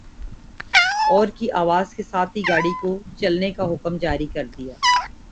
اور کی آواز کے ساتھ ہی گاڑی کو چلنے کا حکم جاری کر دیا ۔